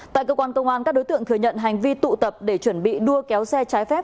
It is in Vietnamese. tại cơ quan công an các đối tượng thừa nhận hành vi tụ tập để chuẩn bị đua kéo xe trái phép